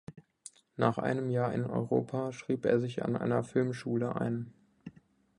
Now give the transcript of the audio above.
Nach einem Jahr in Europa schrieb er sich an einer Filmschule ein.